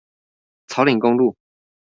草嶺公路